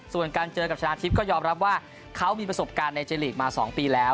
ส่วนการเจอกับชนะทิพย์ก็ยอมรับว่าเขามีประสบการณ์ในเจลีกมา๒ปีแล้ว